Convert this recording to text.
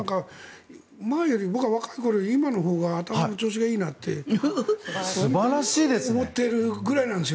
僕は若い頃より今のほうが頭の調子がいいなって思っているぐらいなんです。